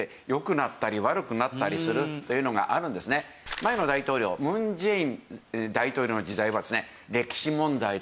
前の大統領ムン・ジェイン大統領の時代はですね。